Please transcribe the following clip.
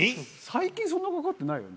最近、そんなかかってないよ